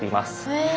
へえ。